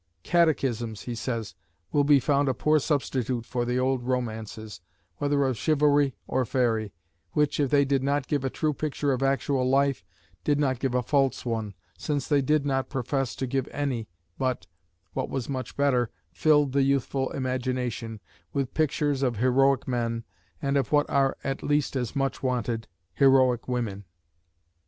"Catechisms," he says, "will be found a poor substitute for the old romances, whether of chivalry or faery, which, if they did not give a true picture of actual life, did not give a false one, since they did not profess to give any, but (what was much better) filled the youthful imagination with pictures of heroic men, and of what are at least as much wanted, heroic women."